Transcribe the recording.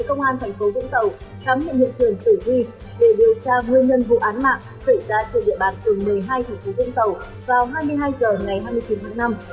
để điều tra nguyên nhân vụ án mạng xảy ra trên địa bàn từ một mươi hai thành phố vũng tàu vào hai mươi hai h ngày hai mươi chín tháng năm